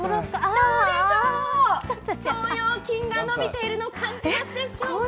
どうでしょう、腸腰筋が伸びているのを感じますでしょうか。